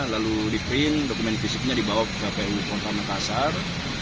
lalu diprint dokumen fisiknya dibawa ke kpu kota makassar